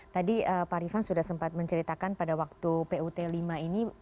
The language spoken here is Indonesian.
tadi pak rifan sudah sempat menceritakan pada waktu put lima ini